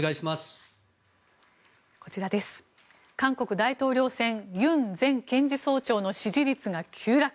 大統領選ユン前検事総長の支持率が急落。